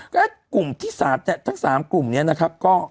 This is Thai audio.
และกลุ่มที่สาดเนี่ยทั้ง๓กลุ่มเนี่ยนะครับก็